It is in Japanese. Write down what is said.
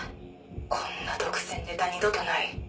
こんな独占ネタ二度とない。